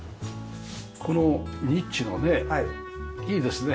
このニッチのねいいですね。